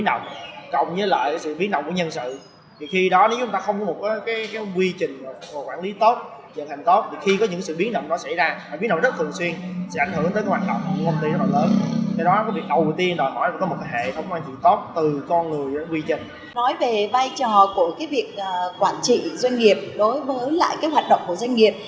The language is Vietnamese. nói về vai trò của việc quản trị doanh nghiệp đối với hoạt động của doanh nghiệp